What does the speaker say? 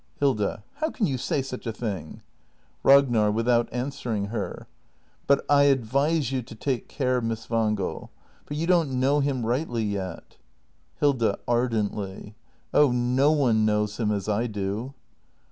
Hilda. How can you say such a thing? Ragnar. [Without answering her.] But I advise you to take care, Miss Wangel ! For you don't know h i m rightly yet. Hilda. [Ardently.] Oh, no one knows him as I do!